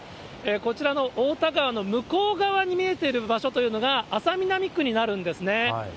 こちらの太田川の向こう側に見えている場所というのが、安佐南区になるんですね。